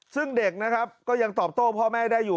ซึ่งเด็กนะครับก็ยังตอบโต้พ่อแม่ได้อยู่